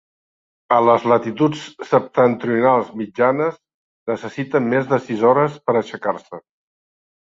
A les latituds septentrionals mitjanes, necessita més de sis hores per aixecar-se.